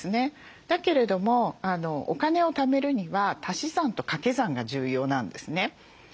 だけれどもお金をためるには足し算とかけ算が重要なんですね。